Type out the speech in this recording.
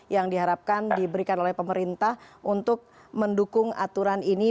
yang diharapkan diberikan oleh pemerintah untuk mendukung aturan ini